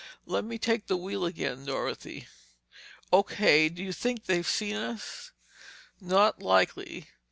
Let me take the wheel again, Dorothy." "O. K. Do you think they've seen us?" "Not likely.